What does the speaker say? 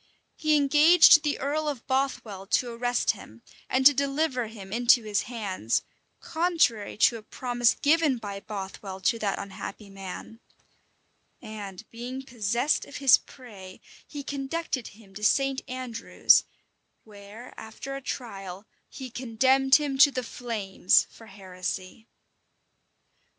He engaged the earl of Bothwell to arrest him, and to deliver him into his hands, contrary to a promise given by Bothwell to that unhappy man; and being possessed of his prey, he conducted him to St. Andrews, where, after a trial, he condemned him to the flames for heresy.